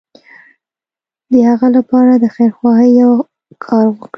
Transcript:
د هغه لپاره د خيرخواهي يو کار وکړي.